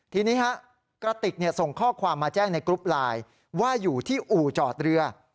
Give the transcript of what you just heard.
ทีนี้กระติกส่งข้อความมาแจ้งในกรุ๊ปไลน์ว่าอยู่ที่อู่จอดเรือ